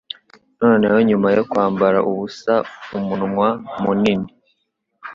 Noneho nyuma yo kwambara ubusa umunwa munini